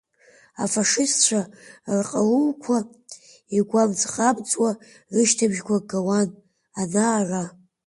Афашистцәа рҟарулқәа игәамҵхамҵуа рышьҭыбжьқәа гауан ана-ара.